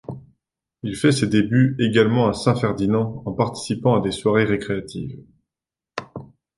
Il fait ses débuts également à Saint-Ferdinand en participant à des soirées récréatives.